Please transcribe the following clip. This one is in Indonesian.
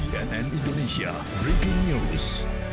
cnn indonesia breaking news